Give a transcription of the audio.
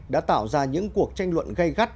đã tạo ra những cuộc tranh luận gây gắt